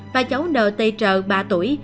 và cháu n t tr ba tuổi